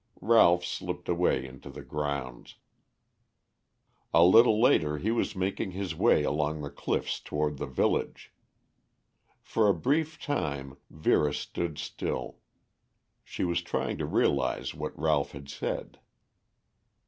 Ralph slipped away into the grounds. A little later he was making his way along the cliffs toward the village. For a brief time Vera stood still. She was trying to realize what Ralph had said.